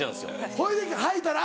ほいではいたら？